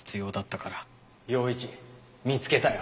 陽一見つけたよ